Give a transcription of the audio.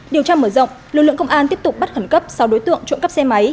điều tra mở rộng lực lượng công an tiếp tục bắt khẩn cấp sáu đối tượng trộm cắp xe máy